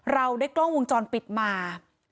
เราได้กล้องวงจรปิดมา